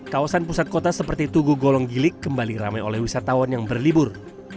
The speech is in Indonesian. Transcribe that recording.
kawasan pusat kota seperti tugu golong gilik kembali ramai oleh wisatawan yang berlibur